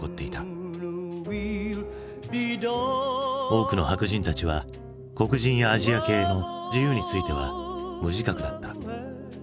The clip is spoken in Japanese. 多くの白人たちは黒人やアジア系の自由については無自覚だった。